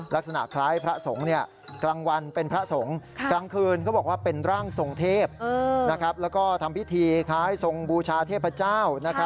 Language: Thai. ลักษณะคล้ายพระสงฆ์กลางวันเป็นพระสงฆ์